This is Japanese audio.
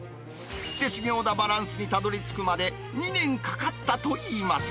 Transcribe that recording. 絶妙なバランスにたどりつくまで２年かかったといいます。